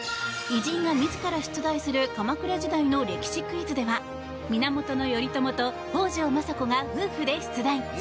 偉人が自ら出題する鎌倉時代の歴史クイズでは源頼朝と北条政子が夫婦で出題。